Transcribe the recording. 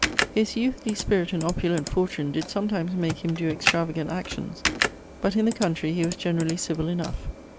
His youthly spirit and oppulent fortune did sometimes make him doe extravagant actions, but in the country he was generally civill enough.